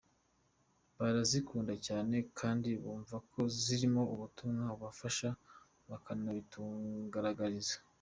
Barazikunda cyane kandi bumva ko zirimo ubutumwa bubafasha bakanabitugaragariza.